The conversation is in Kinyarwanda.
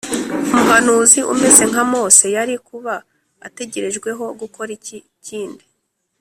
Umuhanuzi umeze nka mose yari kuba ategerejweho gukora iki kindi